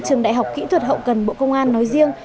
trường đại học kỹ thuật hậu cần bộ công an nói riêng